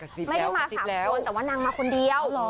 ไม่ได้มา๓คนแต่ว่านางมาคนเดียว